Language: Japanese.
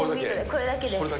これだけです。